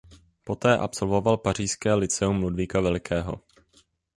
Poté absolvoval pařížské Lyceum Ludvíka Velikého.